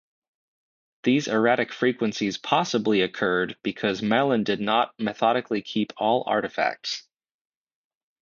These erratic frequencies possibly occurred because Malan did not methodically keep all artifacts.